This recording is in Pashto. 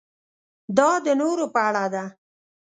دا د نورو په اړه ده.